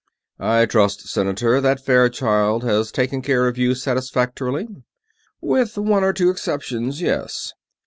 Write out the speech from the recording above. "I trust, Senator, that Fairchild has taken care of you satisfactorily?" "With one or two exceptions, yes."